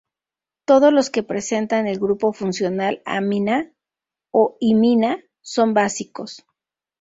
Todos los que presentan el grupo funcional amina o imina son básicos.